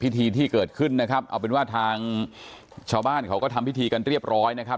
ที่เกิดขึ้นนะครับเอาเป็นว่าทางชาวบ้านเขาก็ทำพิธีกันเรียบร้อยนะครับ